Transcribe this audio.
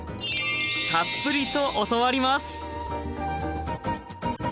たっぷりと教わります！